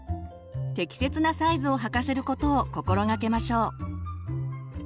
適切なサイズを履かせることを心がけましょう。